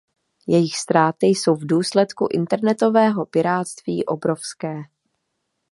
Jejich ztráty jsou v důsledku internetového pirátství obrovské.